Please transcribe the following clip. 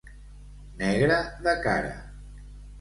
Negre de cara.